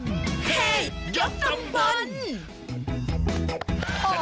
เฮ้ยยักษ์สำบรรย์